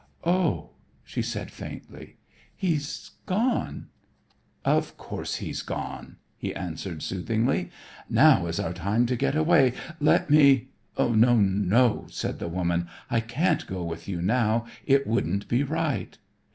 "Oh," she said faintly, "he's gone." "Of course he's gone," he answered soothingly. "Now is our time to get away. Let me " "No, no," said the woman. "I can't go with you now. It wouldn't be right."